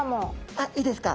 あっいいですか？